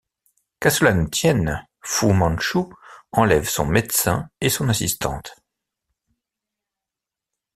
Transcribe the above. Qu'à cela ne tienne, Fu Manchu enlève son médecin et son assistante.